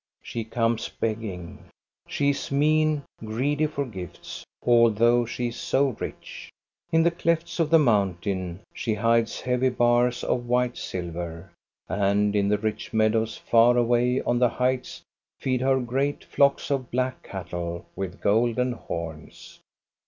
She comes begging. She is mean, greedy for gifts, although she is so rich. In the clefts of the mountain she hides heavy bars of white silver ; and in the rich meadows far away on the heights feed her great flocks of black cattle with golden horns.